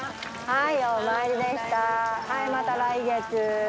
はいまた来月。